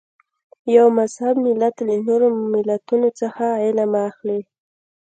یو مهذب ملت له نورو ملتونو څخه علم اخلي.